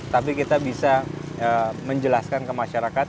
tapi kita bisa menjelaskan ke masyarakat